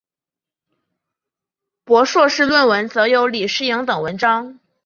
博硕士论文则有李诗莹等文章。